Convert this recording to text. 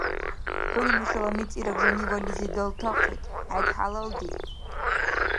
ХӀуни нушала мицӀираг жаниварлизи далтахъид. ХӀед хӀялалдиъ!